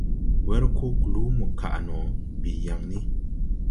Wer koo kluu mo kaʼ no, bii yaŋ ni.